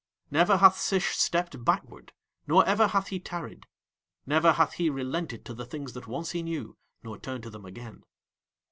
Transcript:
Never hath Sish stepped backward nor ever hath he tarried; never hath he relented to the things that once he knew nor turned to them again.